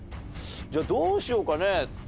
じゃあどうしようかね？